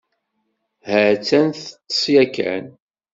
Ha-tt-an teṭṭes ya kan.